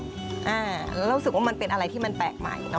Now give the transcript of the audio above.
แล้วรู้สึกว่ามันเป็นอะไรที่มันแปลกใหม่